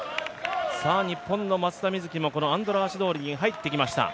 日本の松田瑞生もアンドラーシ通りに入ってきました。